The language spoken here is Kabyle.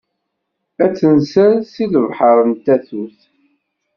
Ad d-tenser seg lebḥer n tatut.